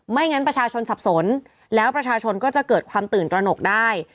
งั้นประชาชนสับสนแล้วประชาชนก็จะเกิดความตื่นตระหนกได้